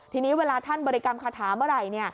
ทีนี้เวลาท่านบริกรรมคาถาเมื่อไหร่